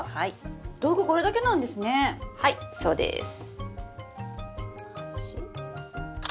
道具これだけなんですね？